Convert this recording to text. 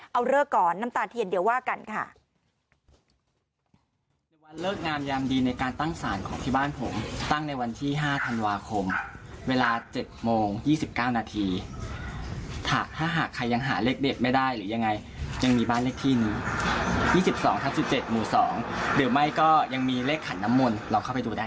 เอาเลิกก่อนน้ำตาเทียนเดี๋ยวว่ากันค่ะ